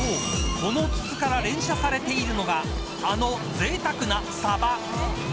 この筒から連射されているのがあのぜいたくなサバ。